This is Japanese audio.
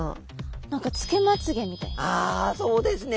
何かあそうですね。